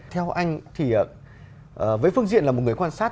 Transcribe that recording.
theo anh thì với phương diện là một người quan sát